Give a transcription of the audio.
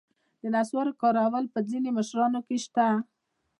د نصوارو کارول په ځینو مشرانو کې شته.